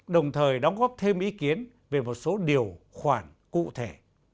đồng thời đóng góp thêm ý kiến về một số điều khoản cụ thể